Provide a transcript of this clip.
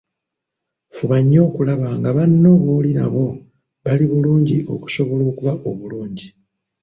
Fuba nnyo okulaba nga banno booli nabo bali bulungi okusobola okuba obulungi.